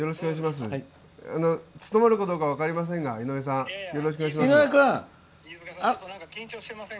務まるかどうか分かりませんがよろしくお願いします。